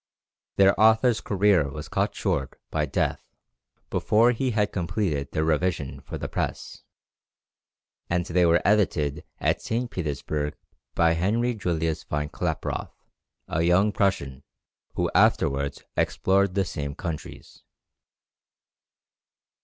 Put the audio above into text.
Their author's career was cut short by death before he had completed their revision for the press, and they were edited at St. Petersburg by Henry Julius von Klaproth, a young Prussian, who afterwards explored the same countries.